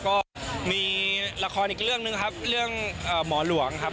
ก็มีละครอีกเรื่องหนึ่งครับเรื่องหมอหลวงครับ